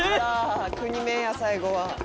「国名や最後は」